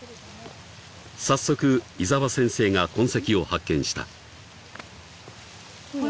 ［早速伊澤先生が痕跡を発見した］